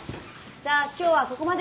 じゃあ今日はここまで。